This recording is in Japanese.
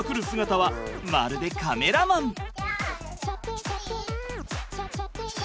姿はまるでカメラマン！